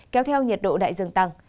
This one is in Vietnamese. kéo theo nhiệt độ đại dương tăng